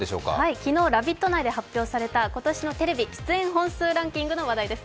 昨日「ラヴィット！」内で発表された今年のテレビ出演本数ランキングの話題です。